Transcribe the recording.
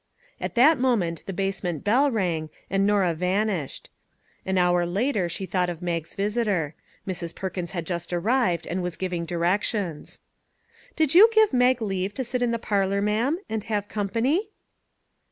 At that moment the basement bell rang, and Norah vanished. An hour later she thought of Mag's visitor. Mrs. Perkins had just arrived, and was giving directions. " Did you give Mag leave to sit in the parlor, ma'am, and have company